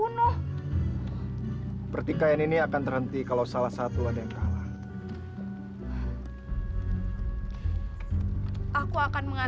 sampai jumpa di video selanjutnya